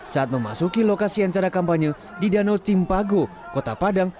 saat memasuki lokasi acara kampanye di danau cimpago kota padang